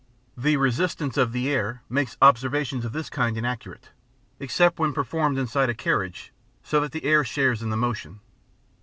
The resistance of the air makes observations of this kind inaccurate, except when performed inside a carriage so that the air shares in the motion.